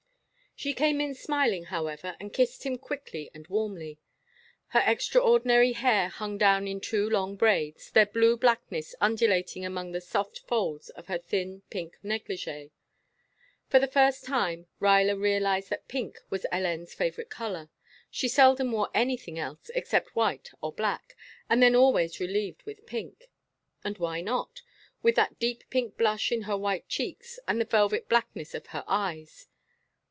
She came in smiling, however, and kissed him quickly and warmly. Her extraordinary hair hung down in two long braids, their blue blackness undulating among the soft folds of her thin pink negligée. For the first time Ruyler realized that pink was Hélène's favorite color; she seldom wore anything else except white or black, and then always relieved with pink. And why not, with that deep pink blush in her white cheeks, and the velvet blackness of her eyes?